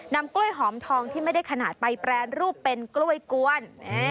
กล้วยหอมทองที่ไม่ได้ขนาดไปแปรรูปเป็นกล้วยกวน